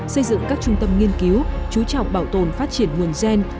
xây dựng các trung tâm nghiên cứu chú trọng bảo tồn phát triển nguồn gen